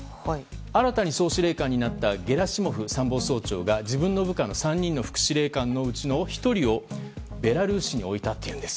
新たに総司令官になったゲラシモフ参謀総長が自分の部下の３人の副司令官のうち１人をベラルーシに置いたというんです。